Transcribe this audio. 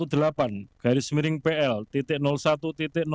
dalam pemilihan umum tahun dua ribu dua puluh empat